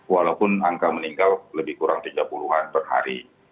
walaupun angka meninggal lebih kurang tiga puluh an per hari